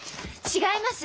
違います！